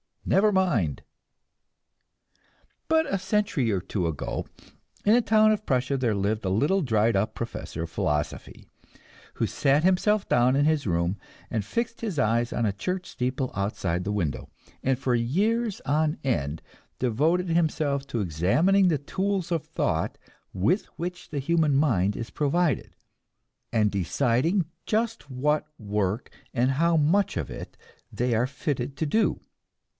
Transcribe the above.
Never mind!" But a century or two ago in a town of Prussia there lived a little, dried up professor of philosophy, who sat himself down in his room and fixed his eyes on a church steeple outside the window, and for years on end devoted himself to examining the tools of thought with which the human mind is provided, and deciding just what work and how much of it they are fitted to do.